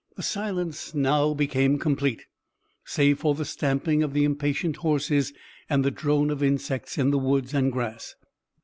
The silence now became complete, save for the stamping of the impatient horses and the drone of insects in the woods and grass.